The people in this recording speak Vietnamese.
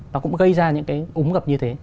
nó cũng gây ra những cái úng gập như thế